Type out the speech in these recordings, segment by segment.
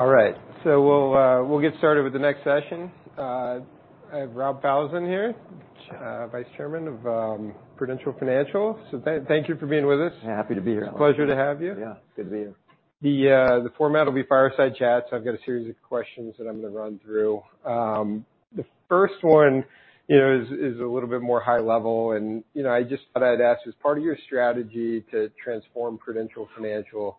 All right. We'll get started with the next session. I have Rob Falzon here, Vice Chairman of Prudential Financial. Thank you for being with us. Happy to be here, Alex. Pleasure to have you. Yeah. Good to be here. The format will be fireside chat. I've got a series of questions that I'm going to run through. The first one is a little bit more high level, and I just thought I'd ask, as part of your strategy to transform Prudential Financial,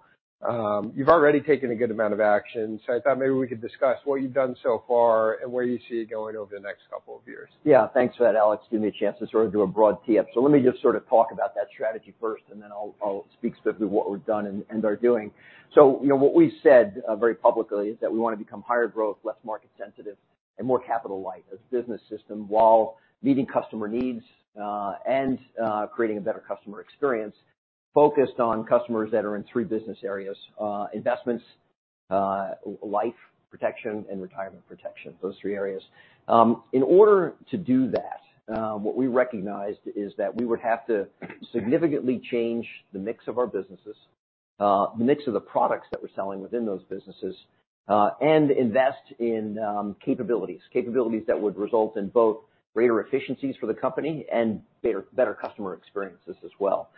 you've already taken a good amount of action. I thought maybe we could discuss what you've done so far and where you see it going over the next couple of years. Yeah. Thanks for that, Alex. Give me a chance to sort of do a broad tee-up. Let me just talk about that strategy first, and then I'll speak specifically what we've done and are doing. What we've said, very publicly, is that we want to become higher growth, less market sensitive, and more capital light as a business system while meeting customer needs, and creating a better customer experience focused on customers that are in three business areas: investments, life protection, and retirement protection. Those three areas. In order to do that, what we recognized is that we would have to significantly change the mix of our businesses, the mix of the products that we're selling within those businesses, and invest in capabilities. Capabilities that would result in both greater efficiencies for the company and better customer experiences as well.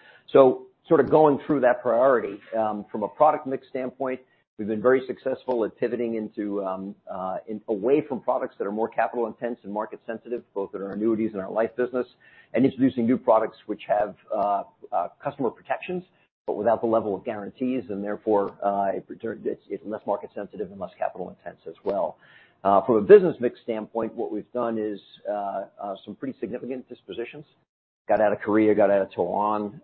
Going through that priority, from a product mix standpoint, we've been very successful at pivoting away from products that are more capital intense and market sensitive, both in our annuities and our life business, and introducing new products which have customer protections, but without the level of guarantees, and therefore, it's less market sensitive and less capital intense as well. From a business mix standpoint, what we've done is some pretty significant dispositions. Got out of Korea, got out of Taiwan.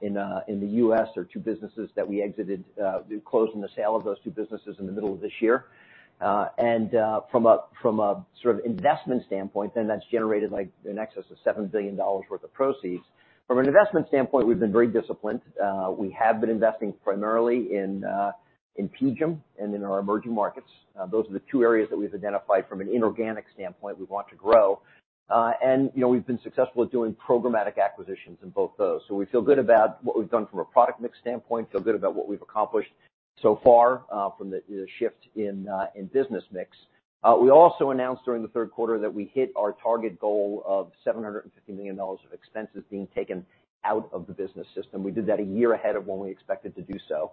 In the U.S., there are two businesses that we exited. We're closing the sale of those two businesses in the middle of this year. From a sort of investment standpoint then, that's generated an excess of $7 billion worth of proceeds. From an investment standpoint, we've been very disciplined. We have been investing primarily in PGIM and in our emerging markets. Those are the two areas that we've identified from an inorganic standpoint we want to grow. We've been successful at doing programmatic acquisitions in both those. We feel good about what we've done from a product mix standpoint, feel good about what we've accomplished so far from the shift in business mix. We also announced during the third quarter that we hit our target goal of $750 million of expenses being taken out of the business system. We did that a year ahead of when we expected to do so.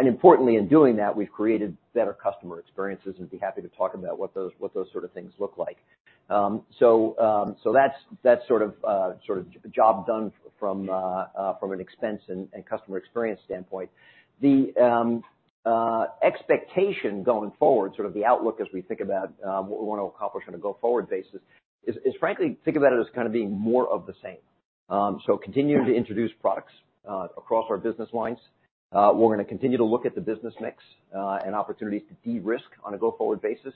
Importantly, in doing that, we've created better customer experiences, and be happy to talk about what those sort of things look like. That's sort of job done from an expense and customer experience standpoint. The expectation going forward, sort of the outlook as we think about what we want to accomplish on a go-forward basis is, frankly, think about it as kind of being more of the same. Continuing to introduce products across our business lines. We're going to continue to look at the business mix, and opportunities to de-risk on a go-forward basis.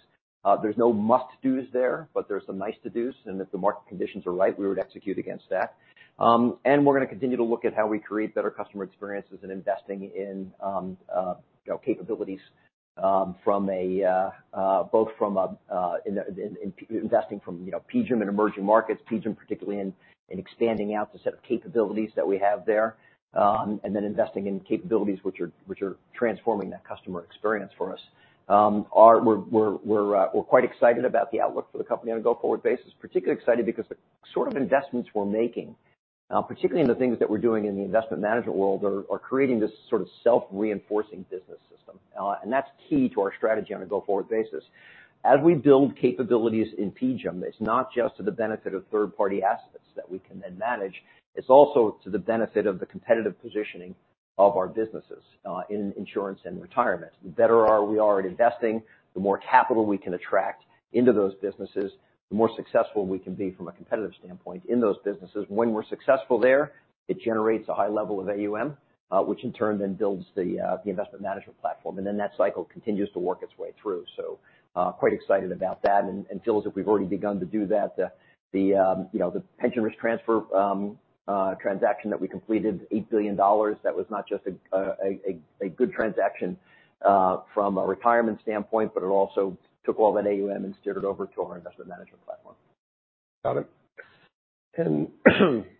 There's no must-dos there, but there are some nice to dos, and if the market conditions are right, we would execute against that. We're going to continue to look at how we create better customer experiences and investing in capabilities, both from investing from PGIM and emerging markets. PGIM particularly in expanding out the set of capabilities that we have there, and then investing in capabilities which are transforming that customer experience for us. We're quite excited about the outlook for the company on a go-forward basis. Particularly excited because the sort of investments we're making, particularly in the things that we're doing in the investment management world, are creating this sort of self-reinforcing business system. That's key to our strategy on a go-forward basis. As we build capabilities in PGIM, it's not just to the benefit of third-party assets that we can then manage, it's also to the benefit of the competitive positioning of our businesses in insurance and retirement. The better we are at investing, the more capital we can attract into those businesses, the more successful we can be from a competitive standpoint in those businesses. When we're successful there, it generates a high level of AUM, which in turn then builds the investment management platform, and then that cycle continues to work its way through. Quite excited about that and feels as if we've already begun to do that. The pension risk transfer transaction that we completed, $8 billion, that was not just a good transaction from a retirement standpoint, but it also took all that AUM and steered it over to our investment management platform. Got it.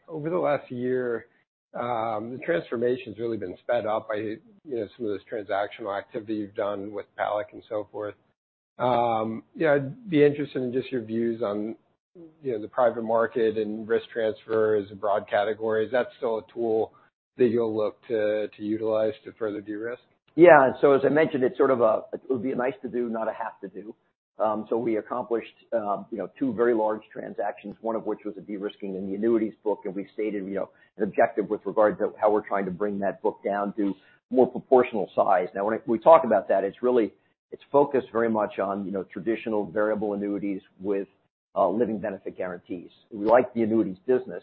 Over the last year, the transformation's really been sped up by some of this transactional activity you've done with PALAC and so forth. I'd be interested in just your views on the private market and risk transfers and broad categories. Is that still a tool that you'll look to utilize to further de-risk? As I mentioned, it would be a nice to do, not a have to do. We accomplished two very large transactions, one of which was a de-risking in the annuities book, and we stated an objective with regard to how we're trying to bring that book down to more proportional size. When we talk about that, it's focused very much on traditional variable annuities with living benefit guarantees. We like the annuities business.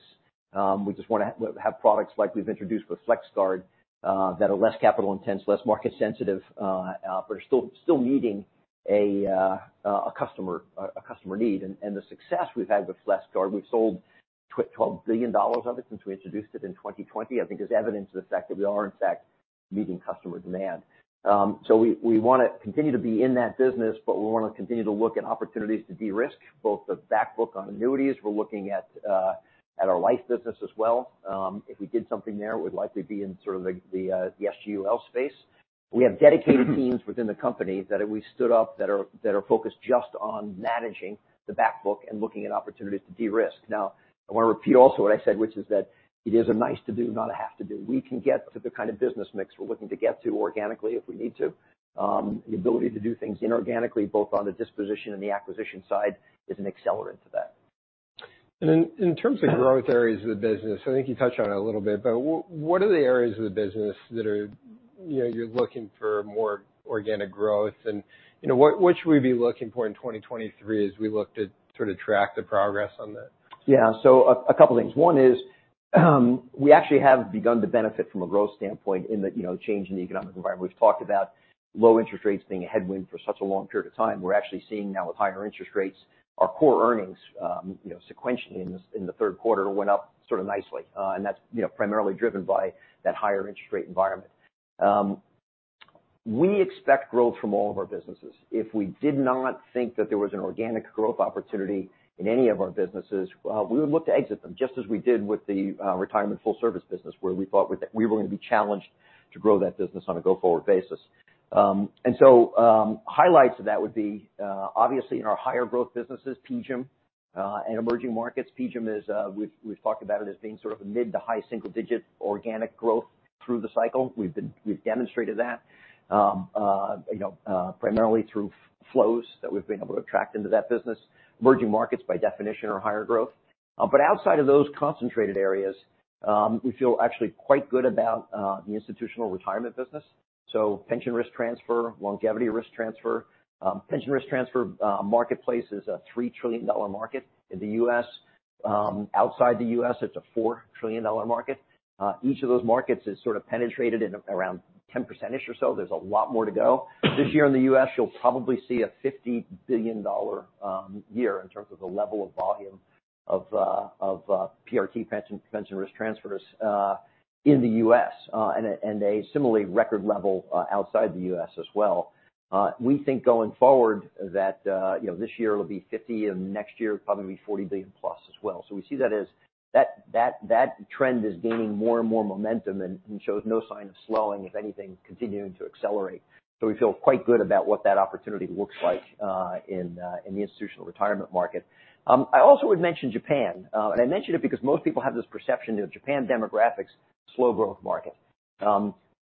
We just want to have products like we've introduced with FlexGuard, that are less capital intense, less market sensitive, but are still meeting a customer need. The success we've had with FlexGuard, we've sold $12 billion of it since we introduced it in 2020, I think is evidence to the fact that we are in fact meeting customer demand. We want to continue to be in that business, we want to continue to look at opportunities to de-risk both the back book on annuities. We're looking at our life business as well. If we did something there, it would likely be in sort of the SGUL space. We have dedicated teams within the company that we stood up that are focused just on managing the back book and looking at opportunities to de-risk. I want to repeat also what I said, which is that it is a nice to do, not a have to do. We can get to the kind of business mix we're looking to get to organically if we need to. The ability to do things inorganically, both on the disposition and the acquisition side, is an accelerant to that. In terms of growth areas of the business, I think you touched on it a little bit, what are the areas of the business that you're looking for more organic growth and what should we be looking for in 2023 as we look to sort of track the progress on that? A couple things. One is, we actually have begun to benefit from a growth standpoint in the change in the economic environment. We've talked about low interest rates being a headwind for such a long period of time. We're actually seeing now with higher interest rates, our core earnings sequentially in the third quarter went up sort of nicely. That's primarily driven by that higher interest rate environment. We expect growth from all of our businesses. If we did not think that there was an organic growth opportunity in any of our businesses, we would look to exit them, just as we did with the retirement full service business, where we thought we were going to be challenged to grow that business on a go-forward basis. Highlights of that would be, obviously in our higher growth businesses, PGIM, and emerging markets. PGIM is, we've talked about it as being sort of a mid to high single digit organic growth through the cycle. We've demonstrated that primarily through flows that we've been able to attract into that business. Emerging markets by definition are higher growth. Outside of those concentrated areas, we feel actually quite good about the institutional retirement business. Pension risk transfer, longevity risk transfer. Pension risk transfer marketplace is a $3 trillion market in the U.S. Outside the U.S., it's a $4 trillion market. Each of those markets is sort of penetrated in around 10%-ish or so. There's a lot more to go. This year in the U.S., you'll probably see a $50 billion year in terms of the level of volume of PRT, pension risk transfers, in the U.S., and a similarly record level outside the U.S. as well. We think going forward that this year it'll be $50 billion, and next year it'll probably be $40 billion plus as well. We see that as that trend is gaining more and more momentum and shows no sign of slowing, if anything, continuing to accelerate. We feel quite good about what that opportunity looks like in the institutional retirement market. I also would mention Japan, and I mention it because most people have this perception of Japan demographics, slow growth market. From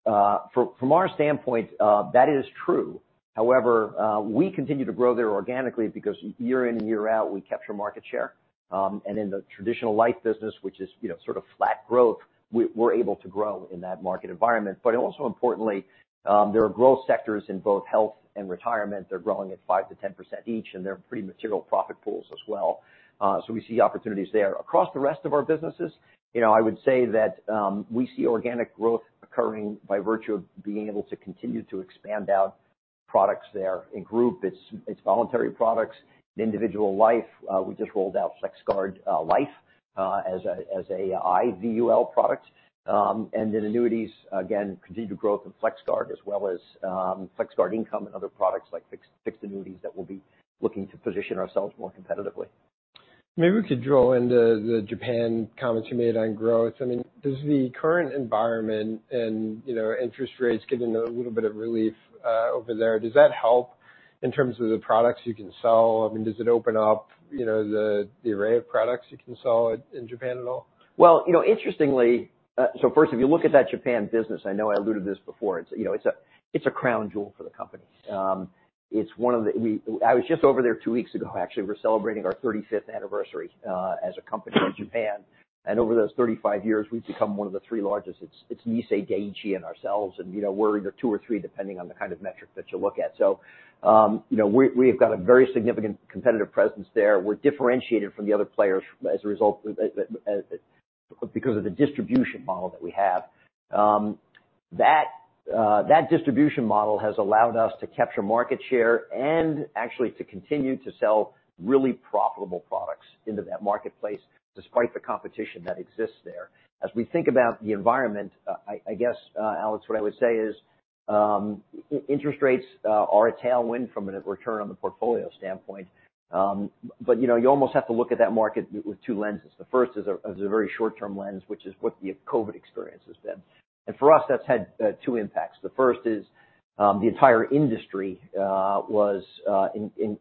our standpoint, that is true. However, we continue to grow there organically because year in and year out, we capture market share. In the traditional life business, which is sort of flat growth, we're able to grow in that market environment. Also importantly, there are growth sectors in both health and retirement that are growing at 5%-10% each, and they're pretty material profit pools as well. We see opportunities there. Across the rest of our businesses, I would say that we see organic growth occurring by virtue of being able to continue to expand out products there. In group, it's voluntary products. In individual life, we just rolled out FlexGuard Life as a IVUL product. In annuities, again, continued growth in FlexGuard as well as FlexGuard Income and other products like fixed annuities that we'll be looking to position ourselves more competitively. Maybe we could drill into the Japan comments you made on growth. Does the current environment and interest rates giving a little bit of relief over there, does that help in terms of the products you can sell? Does it open up the array of products you can sell in Japan at all? Interestingly, first, if you look at that Japan business, I know I alluded to this before. It's a crown jewel for the company. I was just over there two weeks ago, actually. We're celebrating our 35th anniversary as a company in Japan, and over those 35 years, we've become one of the three largest. It's Nissay, Dai-ichi Life, and ourselves, and we're either two or three depending on the kind of metric that you look at. We have got a very significant competitive presence there. We're differentiated from the other players as a result because of the distribution model that we have. That distribution model has allowed us to capture market share and actually to continue to sell really profitable products into that marketplace despite the competition that exists there. As we think about the environment, I guess, Alex, what I would say is, interest rates are a tailwind from a return on the portfolio standpoint. You almost have to look at that market with two lenses. The first is a very short-term lens, which is what the COVID experience has been. For us, that's had two impacts. The first is, the entire industry was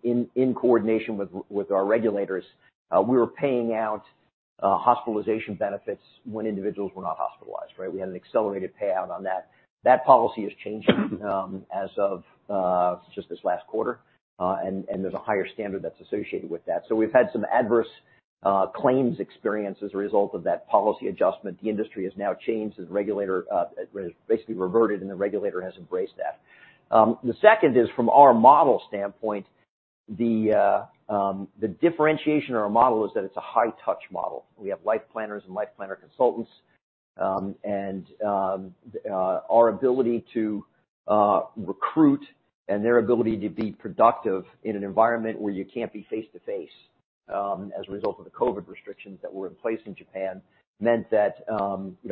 in coordination with our regulators. We were paying out hospitalization benefits when individuals were not hospitalized, right? We had an accelerated payout on that. That policy is changing as of just this last quarter, and there's a higher standard that's associated with that. We've had some adverse claims experience as a result of that policy adjustment. The industry has now changed as regulator basically reverted, and the regulator has embraced that. The second is from our model standpoint, the differentiation in our model is that it's a high touch model. We have life planners and life planner consultants, and our ability to recruit and their ability to be productive in an environment where you can't be face-to-face as a result of the COVID restrictions that were in place in Japan meant that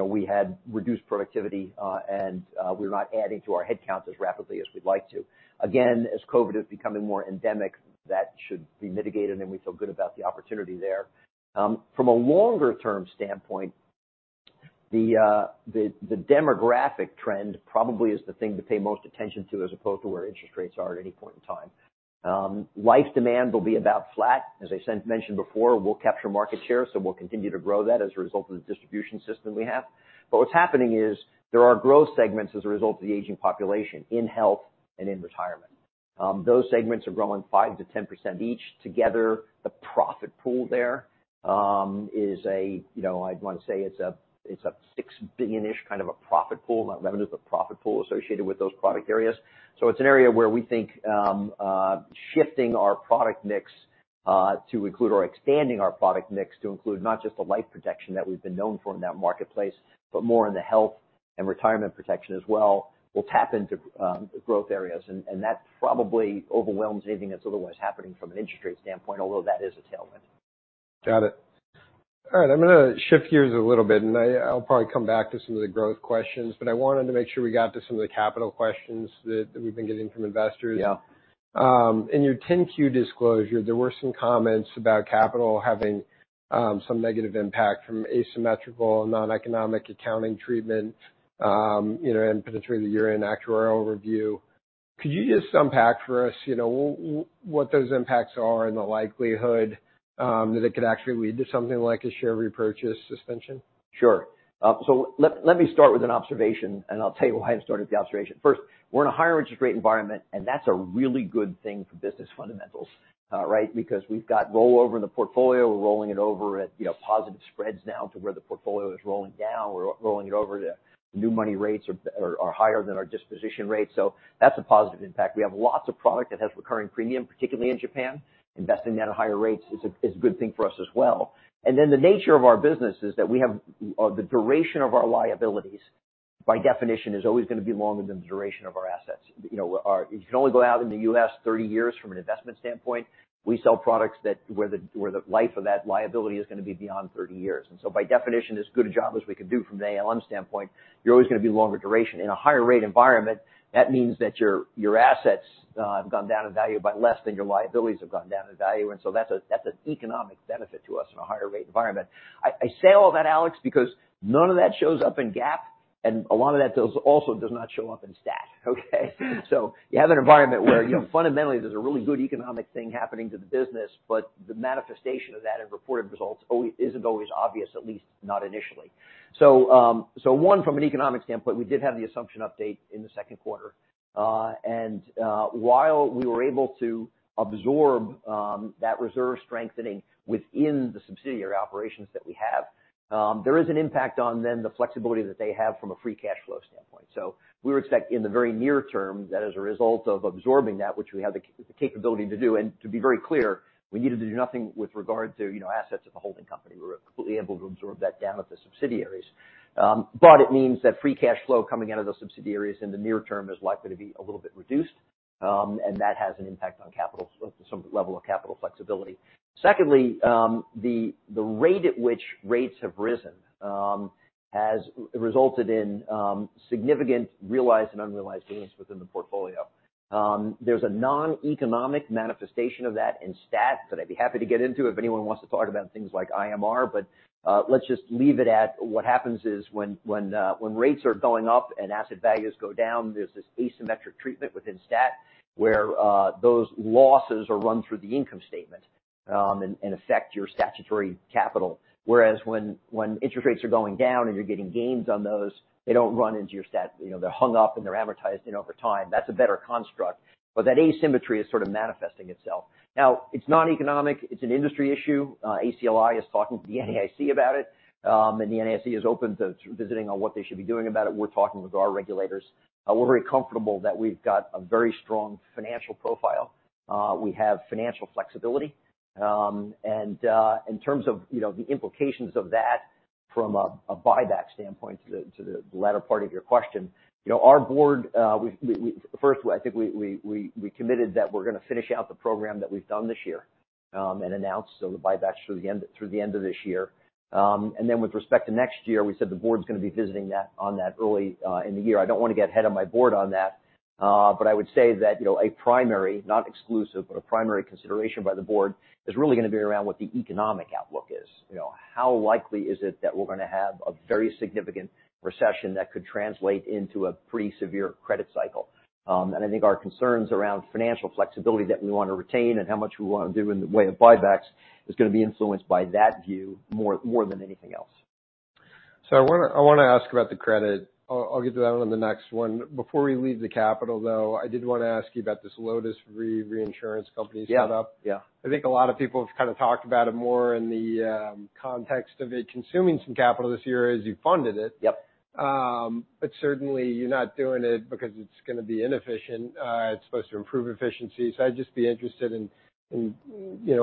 we had reduced productivity, and we're not adding to our headcounts as rapidly as we'd like to. Again, as COVID is becoming more endemic, that should be mitigated, and we feel good about the opportunity there. From a longer-term standpoint, the demographic trend probably is the thing to pay most attention to as opposed to where interest rates are at any point in time. Life demand will be about flat. As I mentioned before, we'll capture market share, we'll continue to grow that as a result of the distribution system we have. What's happening is there are growth segments as a result of the aging population in health and in retirement. Those segments are growing 5%-10% each together. The profit pool there is a, I'd want to say, it's a $6 billion-ish kind of a profit pool, not revenue, but profit pool associated with those product areas. It's an area where we think shifting our product mix to include or expanding our product mix to include not just the life protection that we've been known for in that marketplace, but more in the health and retirement protection as well, will tap into growth areas, and that probably overwhelms anything that's otherwise happening from an interest rate standpoint, although that is a tailwind. Got it. All right. I'll probably come back to some of the growth questions, but I wanted to make sure we got to some of the capital questions that we've been getting from investors. Yeah. In your Form 10-Q disclosure, there were some comments about capital having some negative impact from asymmetrical, noneconomic accounting treatment, and potentially the year-end actuarial review. Could you just unpack for us what those impacts are and the likelihood that it could actually lead to something like a share repurchase suspension? Sure. Let me start with an observation, and I'll tell you why I'm starting with the observation. First, we're in a higher interest rate environment, and that's a really good thing for business fundamentals, right? Because we've got rollover in the portfolio. We're rolling it over at positive spreads now to where the portfolio is rolling down or rolling it over to new money rates are higher than our disposition rates. That's a positive impact. We have lots of product that has recurring premium, particularly in Japan. Investing that at higher rates is a good thing for us as well. The nature of our business is that we have the duration of our liabilities, by definition, is always going to be longer than the duration of our assets. You can only go out in the U.S. 30 years from an investment standpoint. We sell products where the life of that liability is going to be beyond 30 years. By definition, as good a job as we can do from an ALM standpoint, you're always going to be longer duration. In a higher rate environment, that means that your assets have gone down in value by less than your liabilities have gone down in value, and that's an economic benefit to us in a higher rate environment. I say all that, Alex, because none of that shows up in GAAP, and a lot of that also does not show up in STAT. Okay? You have an environment where fundamentally there's a really good economic thing happening to the business, but the manifestation of that in reported results isn't always obvious, at least not initially. One, from an economic standpoint, we did have the assumption update in the second quarter. While we were able to absorb that reserve strengthening within the subsidiary operations that we have, there is an impact on then the flexibility that they have from a free cash flow standpoint. We would expect in the very near term that as a result of absorbing that, which we have the capability to do, and to be very clear, we needed to do nothing with regard to assets at the holding company. We were completely able to absorb that down at the subsidiaries. It means that free cash flow coming out of those subsidiaries in the near term is likely to be a little bit reduced, and that has an impact on some level of capital flexibility. Secondly, the rate at which rates have risen has resulted in significant realized and unrealized gains within the portfolio. There's a noneconomic manifestation of that in STAT that I'd be happy to get into if anyone wants to talk about things like IMR. Let's just leave it at what happens is when rates are going up and asset values go down, there's this asymmetric treatment within STAT where those losses are run through the income statement, and affect your statutory capital. Whereas when interest rates are going down and you're getting gains on those, they don't run into your STAT. They're hung up and they're amortized in over time. That's a better construct. That asymmetry is sort of manifesting itself. Now, it's noneconomic, it's an industry issue. ACLI is talking to the NAIC about it. The NAIC is open to visiting on what they should be doing about it. We're talking with our regulators. We're very comfortable that we've got a very strong financial profile. We have financial flexibility. In terms of the implications of that from a buyback standpoint to the latter part of your question, our board, first, I think we committed that we're going to finish out the program that we've done this year, and announced. The buyback's through the end of this year. Then with respect to next year, we said the board's going to be visiting that early in the year. I don't want to get ahead of my board on that. I would say that a primary, not exclusive, but a primary consideration by the board is really going to be around what the economic outlook is. How likely is it that we're going to have a very significant recession that could translate into a pretty severe credit cycle? I think our concerns around financial flexibility that we want to retain and how much we want to do in the way of buybacks is going to be influenced by that view more than anything else. I want to ask about the credit. I'll get to that on the next one. Before we leave the capital, though, I did want to ask you about this Lotus Reinsurance Company set up. Yeah. I think a lot of people have kind of talked about it more in the context of it consuming some capital this year as you funded it. Yep. Certainly you're not doing it because it's going to be inefficient. It's supposed to improve efficiency. I'd just be interested in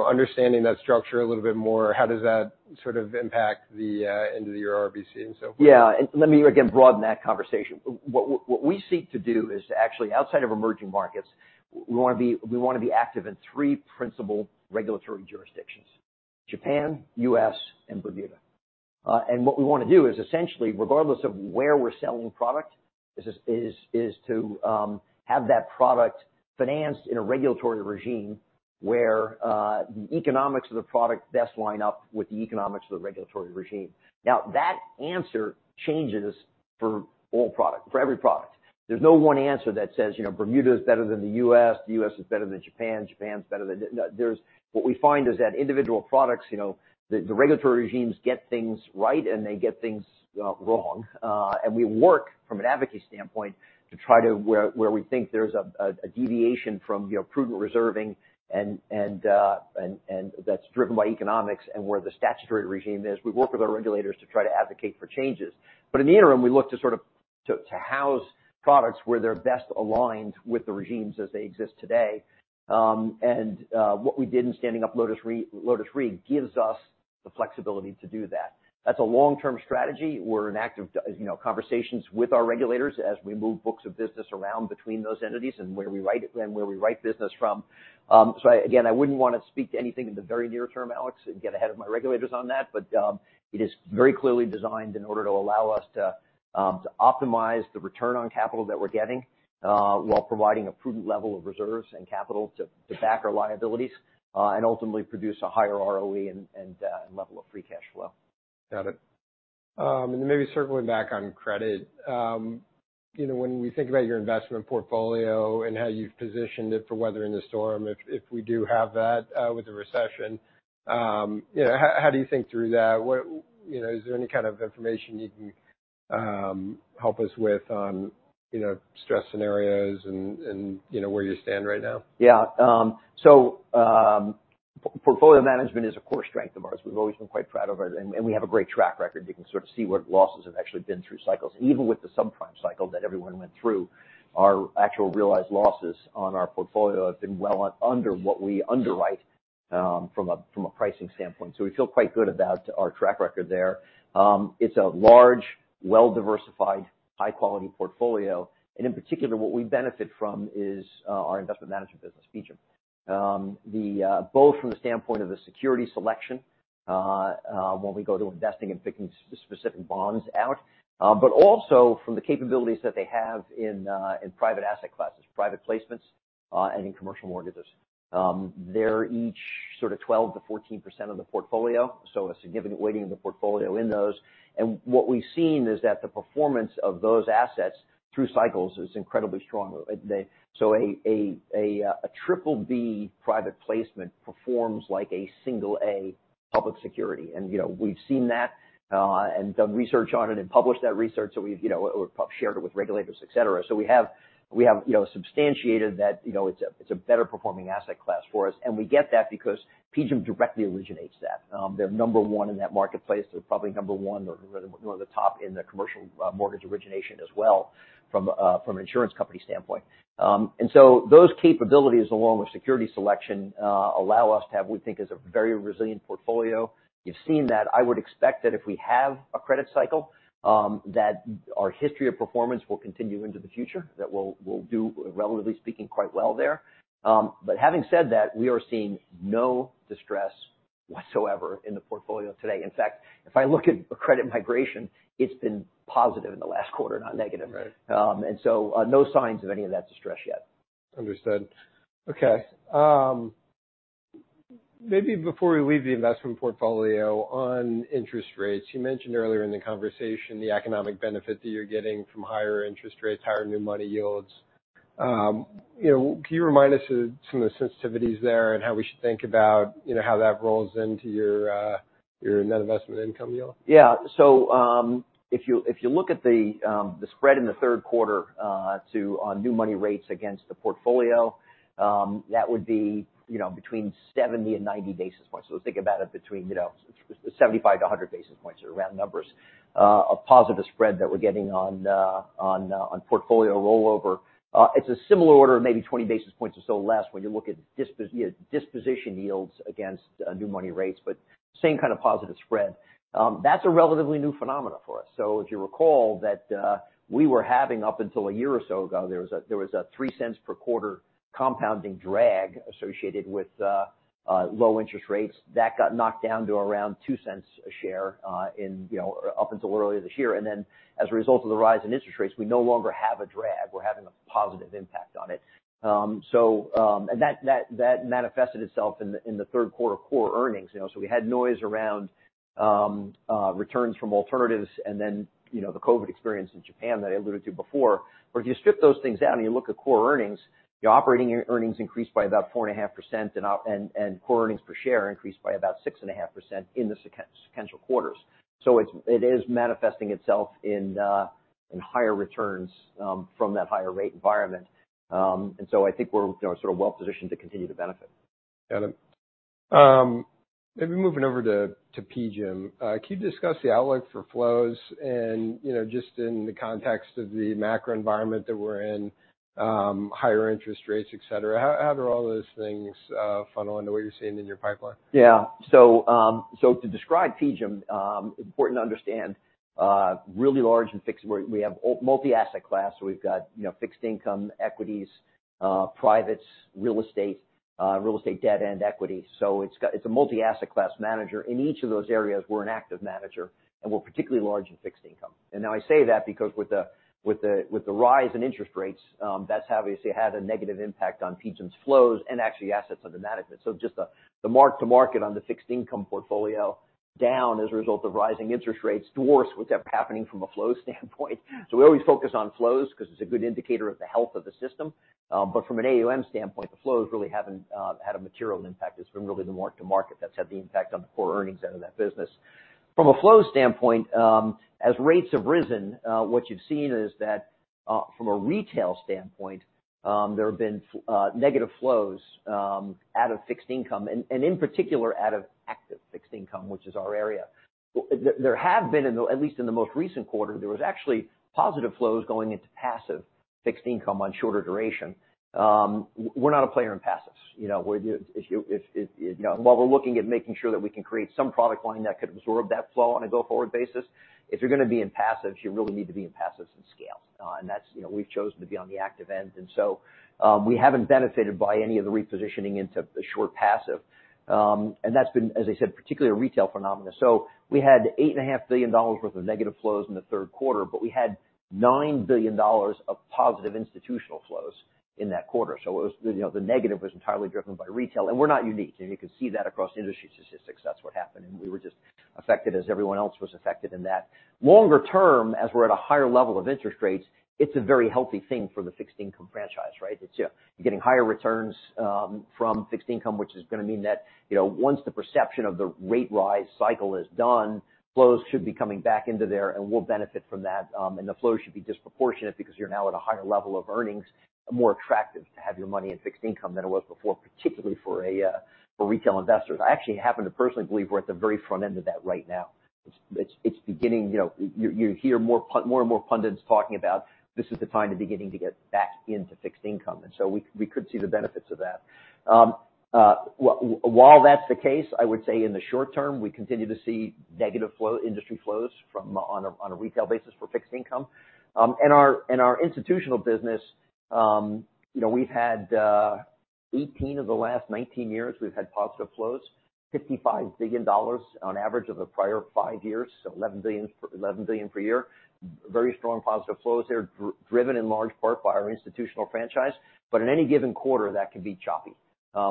understanding that structure a little bit more. How does that sort of impact the end of year RBC and so forth? Yeah. Let me, again, broaden that conversation. What we seek to do is to actually, outside of emerging markets, we want to be active in three principal regulatory jurisdictions, Japan, U.S., and Bermuda. What we want to do is essentially, regardless of where we're selling product, is to have that product financed in a regulatory regime where the economics of the product best line up with the economics of the regulatory regime. Now, that answer changes for all product, for every product. There's no one answer that says Bermuda is better than the U.S., the U.S. is better than Japan. What we find is that individual products, the regulatory regimes get things right, and they get things wrong. We work from an advocacy standpoint to try to, where we think there's a deviation from prudent reserving and that's driven by economics and where the statutory regime is. We work with our regulators to try to advocate for changes. In the interim, we look to house products where they're best aligned with the regimes as they exist today. What we did in standing up Lotus Re gives us the flexibility to do that. That's a long-term strategy. We're in active conversations with our regulators as we move books of business around between those entities and where we write business from. Again, I wouldn't want to speak to anything in the very near term, Alex, and get ahead of my regulators on that. It is very clearly designed in order to allow us to optimize the return on capital that we're getting while providing a prudent level of reserves and capital to back our liabilities. Ultimately produce a higher ROE and level of free cash flow. Got it. Then maybe circling back on credit. When we think about your investment portfolio and how you've positioned it for weathering the storm, if we do have that with the recession, how do you think through that? Is there any kind of information you can help us with on stress scenarios and where you stand right now? Yeah. Portfolio management is a core strength of ours. We've always been quite proud of it, and we have a great track record. You can sort of see what losses have actually been through cycles, even with the subprime cycle that everyone went through, our actual realized losses on our portfolio have been well under what we underwrite from a pricing standpoint. We feel quite good about our track record there. It's a large, well-diversified, high-quality portfolio. In particular, what we benefit from is our investment management business feature. Both from the standpoint of the security selection when we go to investing and picking specific bonds out, but also from the capabilities that they have in private asset classes, private placements and in commercial mortgages. They're each 12%-14% of the portfolio, so a significant weighting of the portfolio in those. What we've seen is that the performance of those assets through cycles is incredibly strong. A BBB private placement performs like an A public security. We've seen that and done research on it and published that research. We've shared it with regulators, et cetera. We have substantiated that it's a better performing asset class for us. We get that because PGIM directly originates that. They're number 1 in that marketplace. They're probably number 1 or one of the top in the commercial mortgage origination as well from an insurance company standpoint. Those capabilities, along with security selection allow us to have, we think, is a very resilient portfolio. You've seen that. I would expect that if we have a credit cycle that our history of performance will continue into the future, that we'll do relatively speaking quite well there. Having said that, we are seeing no distress whatsoever in the portfolio today. In fact, if I look at credit migration, it's been positive in the last quarter, not negative. Right. No signs of any of that distress yet. Understood. Okay. Maybe before we leave the investment portfolio on interest rates, you mentioned earlier in the conversation the economic benefit that you're getting from higher interest rates, higher new money yields. Can you remind us of some of the sensitivities there and how we should think about how that rolls into your net investment income yield? Yeah. If you look at the spread in the third quarter to new money rates against the portfolio, that would be between 70-90 basis points. Think about it between 75-100 basis points or round numbers of positive spread that we're getting on portfolio rollover. It's a similar order of maybe 20 basis points or so less when you look at disposition yields against new money rates, but same kind of positive spread. That's a relatively new phenomena for us. If you recall that we were having up until a year or so ago, there was a $0.03 per quarter compounding drag associated with low interest rates. That got knocked down to around $0.02 a share up until earlier this year. As a result of the rise in interest rates, we no longer have a drag. We're having a positive impact on it. That manifested itself in the third quarter core earnings. We had noise around returns from alternatives, and then the COVID experience in Japan that I alluded to before. If you strip those things out and you look at core earnings, the operating earnings increased by about 4.5% and core earnings per share increased by about 6.5% in the sequential quarters. It is manifesting itself in higher returns from that higher rate environment. I think we're well-positioned to continue to benefit. Got it. Maybe moving over to PGIM. Can you discuss the outlook for flows and just in the context of the macro environment that we're in, higher interest rates, et cetera? How do all those things funnel into what you're seeing in your pipeline? Yeah. To describe PGIM, important to understand Really large and fixed. We have multi-asset class, we've got fixed income, equities, privates, real estate, real estate debt, and equity. It's a multi-asset class manager. In each of those areas, we're an active manager, and we're particularly large in fixed income. I say that because with the rise in interest rates, that's obviously had a negative impact on PGIM's flows and actually assets under management. Just the mark-to-market on the fixed income portfolio down as a result of rising interest rates dwarfs what's happening from a flow standpoint. We always focus on flows because it's a good indicator of the health of the system. From an AUM standpoint, the flows really haven't had a material impact. It's been really the mark-to-market that's had the impact on the core earnings out of that business. From a flow standpoint, as rates have risen, what you've seen is that from a retail standpoint, there have been negative flows out of fixed income, and in particular, out of active fixed income, which is our area. There have been, at least in the most recent quarter, there was actually positive flows going into passive fixed income on shorter duration. We're not a player in passives. While we're looking at making sure that we can create some product line that could absorb that flow on a go-forward basis, if you're going to be in passives, you really need to be in passives and scale. We've chosen to be on the active end. We haven't benefited by any of the repositioning into the short passive. That's been, as I said, particularly a retail phenomenon. We had $8.5 billion worth of negative flows in the third quarter, but we had $9 billion of positive institutional flows in that quarter. The negative was entirely driven by retail. We're not unique. You can see that across industry statistics. That's what happened. We were just affected as everyone else was affected in that. Longer term, as we're at a higher level of interest rates, it's a very healthy thing for the fixed income franchise, right? You're getting higher returns from fixed income, which is going to mean that once the perception of the rate rise cycle is done, flows should be coming back into there. We'll benefit from that. The flow should be disproportionate because you're now at a higher level of earnings, more attractive to have your money in fixed income than it was before, particularly for retail investors. I actually happen to personally believe we're at the very front end of that right now. It's beginning. You hear more and more pundits talking about this is the time to beginning to get back into fixed income. We could see the benefits of that. While that's the case, I would say in the short term, we continue to see negative industry flows on a retail basis for fixed income. In our institutional business, 18 of the last 19 years, we've had positive flows, $55 billion on average of the prior five years, so $11 billion per year. Very strong positive flows there, driven in large part by our institutional franchise. In any given quarter, that can be choppy.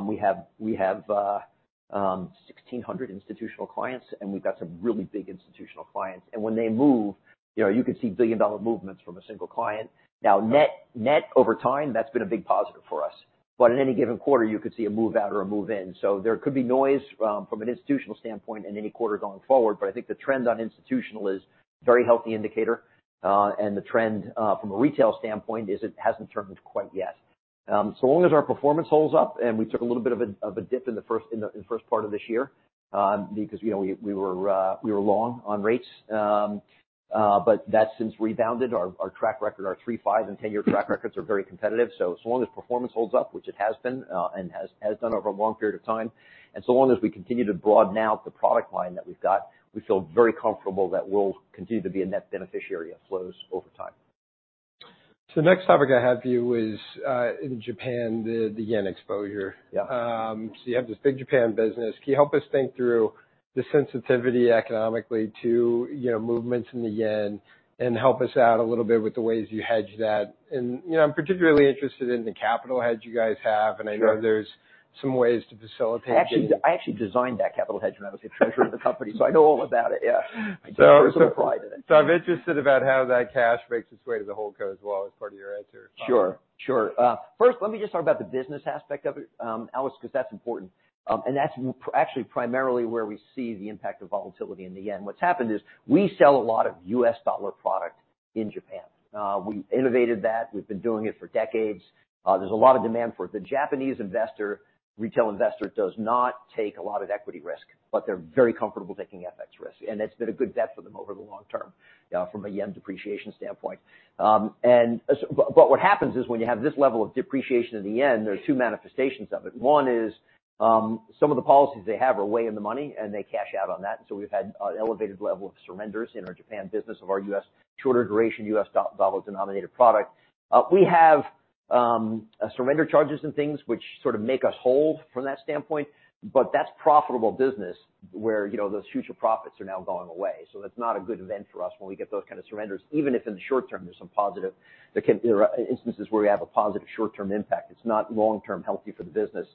We have 1,600 institutional clients, and we've got some really big institutional clients. When they move, you could see billion-dollar movements from a single client. Net over time, that's been a big positive for us. In any given quarter, you could see a move out or a move in. There could be noise from an institutional standpoint in any quarter going forward, but I think the trends on institutional is very healthy indicator. The trend from a retail standpoint is it hasn't turned it quite yet. Long as our performance holds up, we took a little bit of a dip in the first part of this year because we were long on rates. That since rebounded. Our track record, our three, five, and 10-year track records are very competitive. As long as performance holds up, which it has been and has done over a long period of time, and so long as we continue to broaden out the product line that we've got, we feel very comfortable that we'll continue to be a net beneficiary of flows over time. The next topic I have for you is in Japan, the yen exposure. Yeah. You have this big Japan business. Can you help us think through the sensitivity economically to movements in the yen, and help us out a little bit with the ways you hedge that? I'm particularly interested in the capital hedge you guys have. Sure. I know there's some ways to facilitate that. I actually designed that capital hedge when I was a treasurer of the company, so I know all about it, yeah. I take personal pride in it. I'm interested about how that cash makes its way to the hold co as well as part of your answer. Sure. First, let me just talk about the business aspect of it, Alex, because that's important. That's actually primarily where we see the impact of volatility in the yen. What's happened is we sell a lot of U.S. dollar product in Japan. We innovated that. We've been doing it for decades. There's a lot of demand for it. The Japanese investor, retail investor, does not take a lot of equity risk, but they're very comfortable taking FX risk, and that's been a good bet for them over the long term from a yen depreciation standpoint. What happens is when you have this level of depreciation in the yen, there are two manifestations of it. One is some of the policies they have are way in the money, and they cash out on that. We've had an elevated level of surrenders in our Japan business of our shorter duration U.S. dollar-denominated product. We have surrender charges and things which sort of make us whole from that standpoint, but that's profitable business where those future profits are now going away. That's not a good event for us when we get those kind of surrenders, even if in the short term there's some positive. There are instances where we have a positive short-term impact. It's not long-term healthy for the business.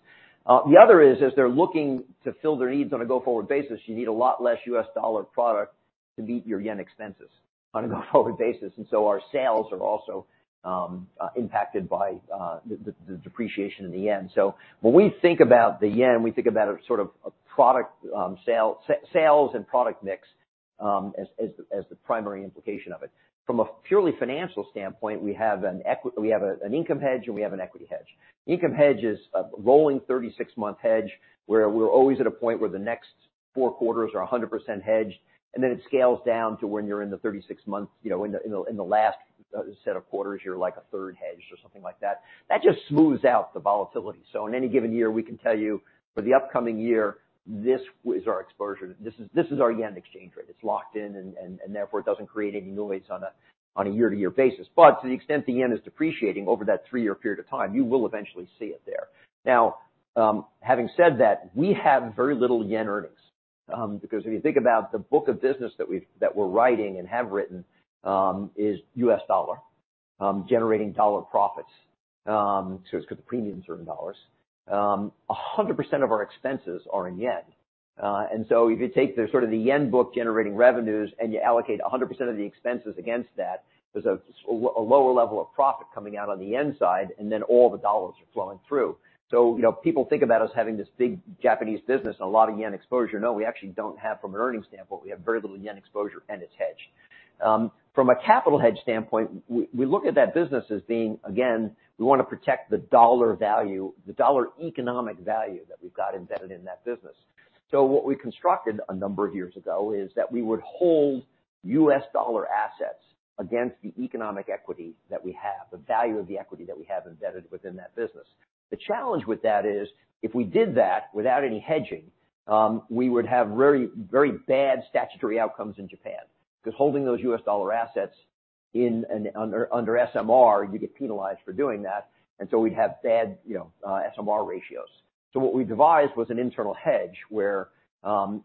The other is, as they're looking to fill their needs on a go-forward basis, you need a lot less U.S. dollar product to meet your yen expenses on a go-forward basis. Our sales are also impacted by the depreciation in the yen. When we think about the yen, we think about sort of sales and product mix as the primary implication of it. From a purely financial standpoint, we have an income hedge, and we have an equity hedge. Income hedge is a rolling 36-month hedge, where we're always at a point where the next four quarters are 100% hedged, and then it scales down to when you're in the 36 months, in the last set of quarters, you're a third hedged or something like that. That just smooths out the volatility. In any given year, we can tell you for the upcoming year, this is our exposure. This is our yen exchange rate. It's locked in, and therefore, it doesn't create any noise on a year-to-year basis. To the extent the yen is depreciating over that three-year period of time, you will eventually see it there. Now, having said that, we have very little yen earnings. Because if you think about the book of business that we're writing and have written, is U.S. dollar, generating dollar profits. It's got the premiums are in dollars. 100% of our expenses are in yen. If you take the yen book generating revenues and you allocate 100% of the expenses against that, there's a lower level of profit coming out on the yen side, and then all the dollars are flowing through. People think about us having this big Japanese business and a lot of yen exposure. No, we actually don't have from an earnings standpoint, we have very little yen exposure, and it's hedged. From a capital hedge standpoint, we look at that business as being, again, we want to protect the dollar value, the dollar economic value that we've got embedded in that business. What we constructed a number of years ago is that we would hold U.S. dollar assets against the economic equity that we have, the value of the equity that we have embedded within that business. The challenge with that is, if we did that without any hedging, we would have very bad statutory outcomes in Japan. Because holding those U.S. dollar assets under SMR, you get penalized for doing that, we'd have bad SMR ratios. What we devised was an internal hedge where, from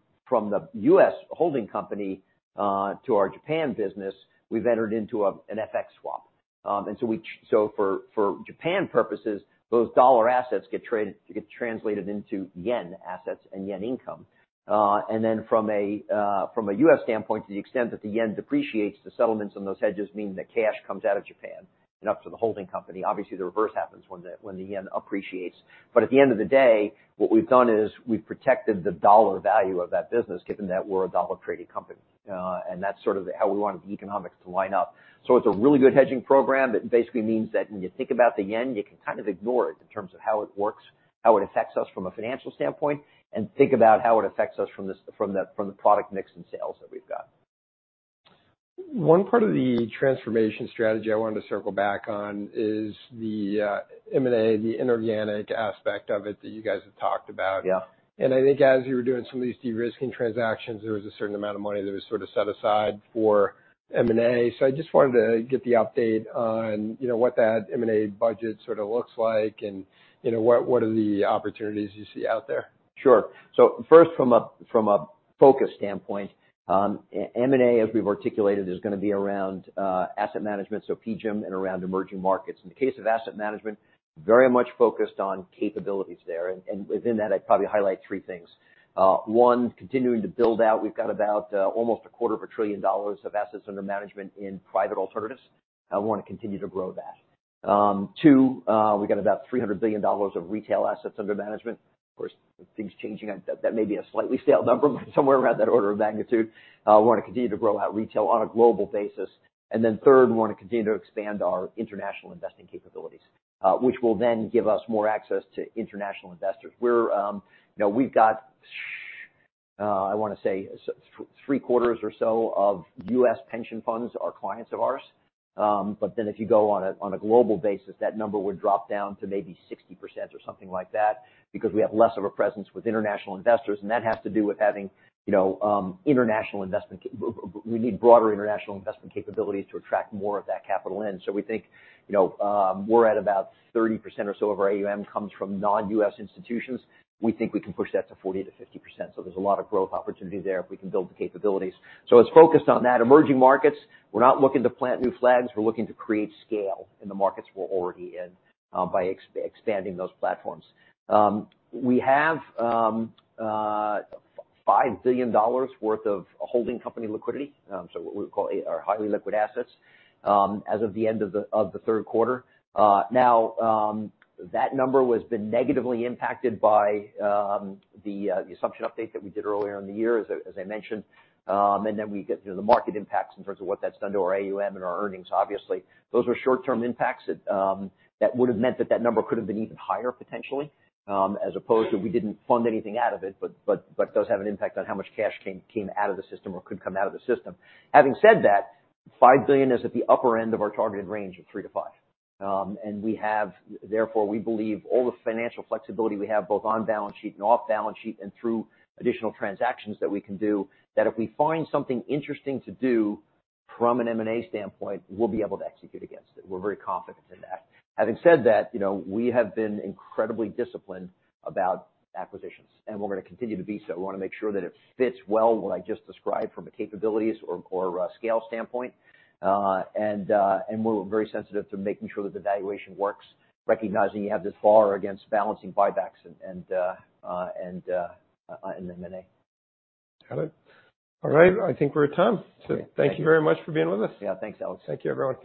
the U.S. holding company, to our Japan business, we've entered into an FX swap. For Japan purposes, those dollar assets get translated into yen assets and yen income. From a U.S. standpoint, to the extent that the yen depreciates, the settlements on those hedges mean that cash comes out of Japan and up to the holding company. Obviously, the reverse happens when the yen appreciates. At the end of the day, what we've done is we've protected the dollar value of that business, given that we're a dollar trading company. That's sort of how we wanted the economics to line up. It's a really good hedging program that basically means that when you think about the yen, you can kind of ignore it in terms of how it works, how it affects us from a financial standpoint, and think about how it affects us from the product mix and sales that we've got. One part of the transformation strategy I wanted to circle back on is the M&A, the inorganic aspect of it that you guys have talked about. Yeah. I think as you were doing some of these de-risking transactions, there was a certain amount of money that was sort of set aside for M&A. I just wanted to get the update on what that M&A budget sort of looks like, and what are the opportunities you see out there? Sure. First, from a focus standpoint, M&A, as we've articulated, is going to be around asset management, so PGIM and around emerging markets. In the case of asset management, very much focused on capabilities there. Within that, I'd probably highlight three things. One, continuing to build out. We've got about almost a quarter of a trillion dollars of assets under management in private alternatives. We want to continue to grow that. Two, we've got about $300 billion of retail assets under management. Of course, with things changing, that may be a slightly stale number, but somewhere around that order of magnitude. We want to continue to grow out retail on a global basis. Then third, we want to continue to expand our international investing capabilities, which will then give us more access to international investors. We've got, I want to say three-quarters or so of U.S. pension funds are clients of ours. If you go on a global basis, that number would drop down to maybe 60% or something like that because we have less of a presence with international investors, and that has to do with having international investment. We need broader international investment capabilities to attract more of that capital in. We think, we're at about 30% or so of our AUM comes from non-U.S. institutions. We think we can push that to 40%-50%. There's a lot of growth opportunity there if we can build the capabilities. It's focused on that. Emerging markets, we're not looking to plant new flags. We're looking to create scale in the markets we're already in by expanding those platforms. We have $5 billion worth of holding company liquidity, so what we would call our highly liquid assets, as of the end of the third quarter. That number has been negatively impacted by the assumption update that we did earlier in the year, as I mentioned. We get the market impacts in terms of what that's done to our AUM and our earnings, obviously. Those were short-term impacts that would've meant that that number could have been even higher potentially, as opposed to we didn't fund anything out of it, but it does have an impact on how much cash came out of the system or could come out of the system. Having said that, $5 billion is at the upper end of our targeted range of $3 billion-$5 billion. We have, therefore, we believe all the financial flexibility we have, both on-balance sheet and off-balance sheet and through additional transactions that we can do, that if we find something interesting to do from an M&A standpoint, we'll be able to execute against it. We're very confident in that. Having said that, we have been incredibly disciplined about acquisitions, and we're going to continue to be so. We want to make sure that it fits well what I just described from a capabilities or scale standpoint. We're very sensitive to making sure that the valuation works, recognizing you have this bar against balancing buybacks and M&A. Got it. All right. I think we're at time. Thank you very much for being with us. Yeah. Thanks, Alex. Thank you, everyone.